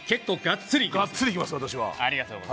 がっつりいきますよ、私は。